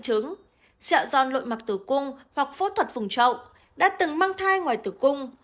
trứng sẹo giòn lội mặc tử cung hoặc phốt thuật phùng trậu đã từng mang thai ngoài tử cung